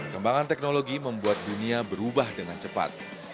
kembangan teknologi membuat dunia berubah dengan cepat